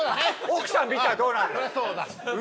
奥さん見たらどうなるの？